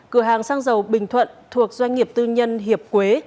cửa hàng xăng dầu bình thuận thuộc doanh nghiệp tư nhân hiệp quế